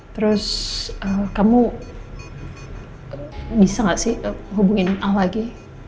terus kamu bisa nggak sih hubungin ah lagi